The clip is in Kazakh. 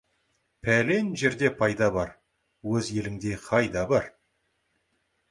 Пәлен жерде пайда бар, өз еліңдей қайда бар!